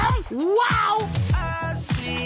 ワオ！